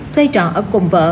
thuê trọ ở cùng vợ